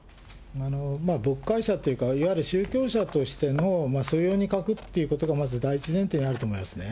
牧会者というか、いわゆる宗教者としての素養に欠くっていうことが第一前提になると思いますね。